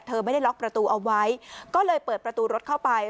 ไม่ได้ล็อกประตูเอาไว้ก็เลยเปิดประตูรถเข้าไป